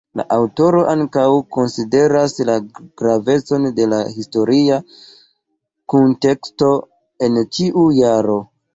La aŭtoro ankaŭ konsideras la gravecon de la historia kunteksto en ĉiu jaro.